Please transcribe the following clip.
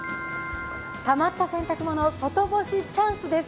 たまった洗濯物、外干しチャンスです。